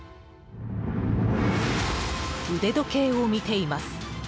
腕時計を見ています。